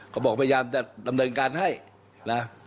เขาบอกไว้ย้ำทำเครื่องการให้นะ